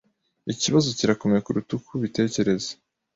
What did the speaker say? Ikibazo kirakomeye kuruta uko ubitekereza.